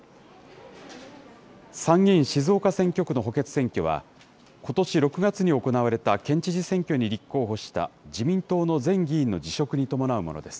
参議院静岡選挙区の補欠選挙は、ことし６月に行われた県知事選挙に立候補した自民党の前議員の辞職に伴うものです。